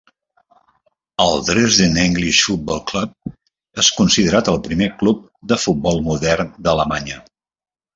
El Dresden English Football Club és considerat el primer club de futbol modern d'Alemanya.